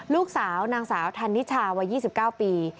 ลูกสาวนางสาวธันนิชาวัย๒๙ปี